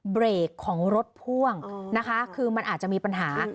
เบรกของรถพ่วงนะคะคือมันอาจจะมีปัญหา